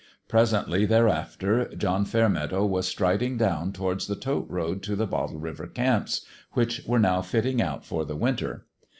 Presently thereafter John Fairmeadow was strid ing down towards the tote road to the Bottle River camps, which were now fitting out for the winter.